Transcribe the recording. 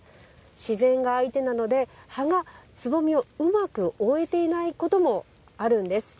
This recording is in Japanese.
自然が相手なので葉がつぼみをうまく覆えていないこともあるんです。